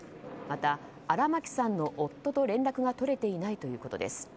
また荒牧さんの夫と連絡が取れていないということです。